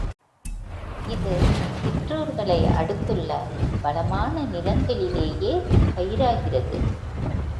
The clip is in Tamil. இது சிற்றூர்களை அடுத்துள்ள வளமான நிலங்களிலேயே பயிராகிறது.